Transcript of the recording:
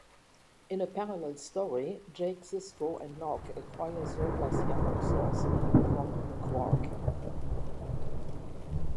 In a parallel story, Jake Sisko and Nog acquire surplus yammok sauce from Quark.